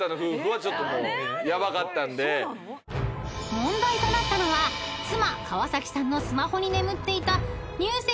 ［問題となったのは妻川崎さんのスマホに眠っていた入籍